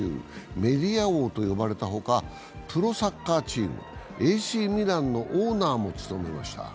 メディア王と呼ばれたほかプロサッカーチームＡＣミランのオーナーも務めました。